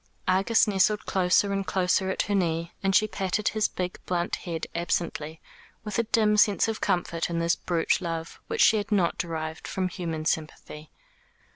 Argus nestled closer and closer at her knee, and she patted his big blunt head absently, with a dim sense of comfort in this brute love, which she had not derived from human sympathy.